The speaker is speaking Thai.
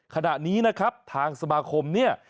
ขณะนี้นะครับทางสมาคมเนี่ย